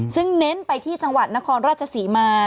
ซึ่งเน้นไปที่จังหวัดนครราชศรีมา